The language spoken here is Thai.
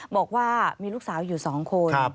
บอกว่ามีลูกสาวอยู่๒คน